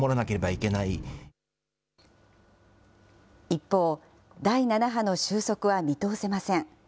一方、第７波の収束は見通せません。